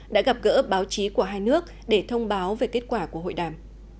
đã gặp gỡ báo chí của hai nước để thông báo về kết quả của hội đàm